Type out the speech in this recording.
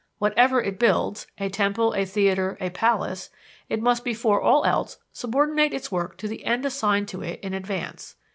Whatever it builds a temple, a theater, a palace it must before all else subordinate its work to the end assigned to it in advance.